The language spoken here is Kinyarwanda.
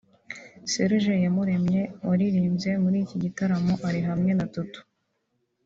Serge Iyamuremye (waririmbye muri iki gitaramo ari hamwe na Dudu)